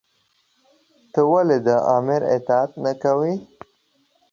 تۀ ولې د آمر اطاعت نۀ کوې؟